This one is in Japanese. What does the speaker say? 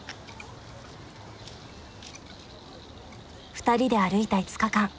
２人で歩いた５日間。